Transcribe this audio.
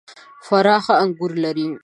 فراه ښه انګور لري .